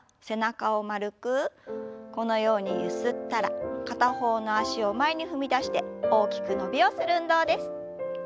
このようにゆすったら片方の脚を前に踏み出して大きく伸びをする運動です。